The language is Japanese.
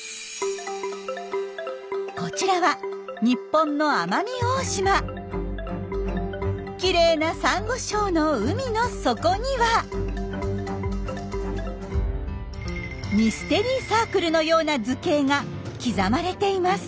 こちらは日本のきれいなサンゴ礁の海の底にはミステリーサークルのような図形が刻まれています。